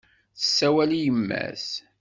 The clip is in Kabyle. Yessawel i yemma-s.